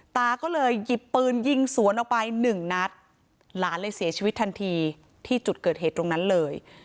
ตาก็เลยหยิบปืนยิงสวนออกไปหนึ่งนัดหลานเลยเสียชีวิตทันทีที่จุดเกิดเหตุตรงนั้นเลย